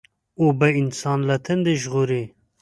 اوبه انسان له تندې ژغوري.